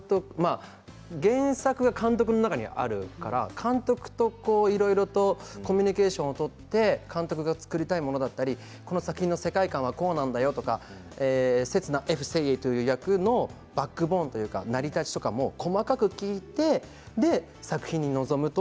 原作が監督の中にあるから監督といろいろとコミュニケーションを取って監督が作りたいものだったりこの作品の世界観はこうなんだよとか刹那・Ｆ・セイエイという役のバックボーンとか成り立ちとかも細かく聞いてそれで作品に臨むと。